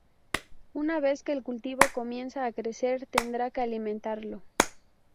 Una vez que el cultivo comienza a crecer tendrá que alimentarlo.